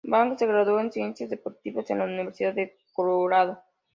Wang se graduó en ciencias deportivas en la Universidad de Colorado.